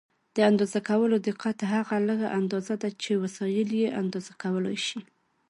د اندازه کولو دقت هغه لږه اندازه ده چې وسایل یې اندازه کولای شي.